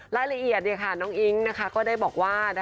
รายละเอียดน้องอิ๊งก็ได้บอกว่า